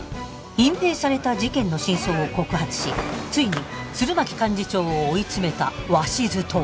隠蔽された事件の真相を告発しついに鶴巻幹事長を追い詰めた鷲津亨。